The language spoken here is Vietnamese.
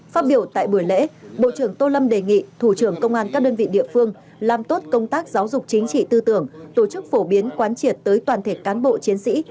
phát biểu tại buổi lễ bộ trưởng tô lâm đề nghị thủ trưởng công an các đơn vị địa phương làm tốt công tác giáo dục chính trị tư tưởng tổ chức phổ biến quán triệt tới toàn thể cán bộ chiến sĩ